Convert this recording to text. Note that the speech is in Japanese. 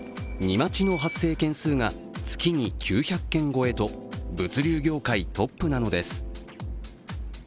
待ちの発生件数が月に９００件超えと物流業界トップなのです。